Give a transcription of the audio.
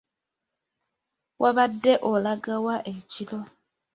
Wabadde olaga wa ekiro?